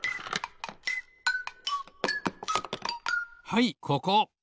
はいここ。